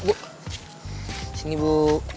bentar ya bu